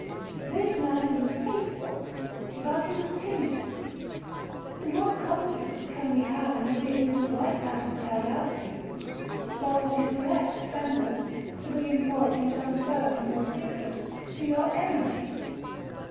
'This man was faithful, but he was timid; and what confidence can we have in a being whose right hand is held out to you, while his left trembles to be employed in transferring your secret to your enemy.